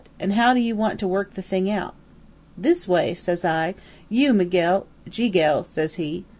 An' how do you want to work the thing out?' "'This way,' says I. 'You, Miguel ' "'Jiguel,' says he.